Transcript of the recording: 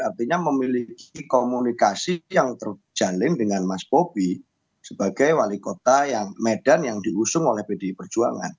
artinya memiliki komunikasi yang terjalin dengan mas bobi sebagai wali kota yang medan yang diusung oleh pdi perjuangan